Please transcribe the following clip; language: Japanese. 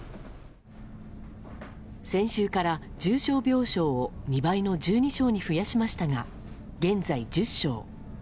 先週から重症病床を２倍の１２床に増やしましたが現在１０床。